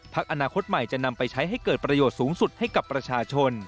อนาคตใหม่จะนำไปใช้ให้เกิดประโยชน์สูงสุดให้กับประชาชน